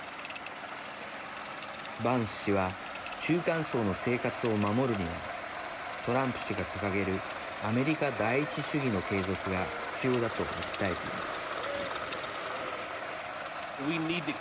バンス氏は中間層の生活を守るにはトランプ氏が掲げるアメリカ第１主義の継続が必要だと訴えています。